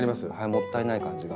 もったいない感じが。